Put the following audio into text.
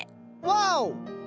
ワオ！